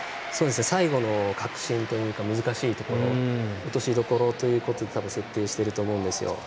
最後の核心というか難しいところ落としどころということで設定していると思うんですよ。